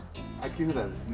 木札ですね。